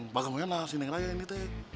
bagaimana sini ngerayain tuh